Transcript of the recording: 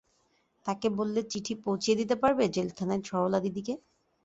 তাকে বললে, চিঠি পৌঁছিয়ে দিতে পারবে জেলখানায় সরলাদিদিকে?